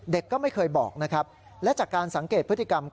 เด็กก็ไม่เคยบอกและจากการสังเกตพฤติกรรม